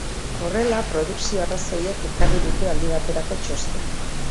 Horrela, produkzio arrazoiek ekarri dute aldi baterako txostena.